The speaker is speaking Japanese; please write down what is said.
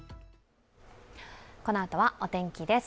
このあとはお天気です。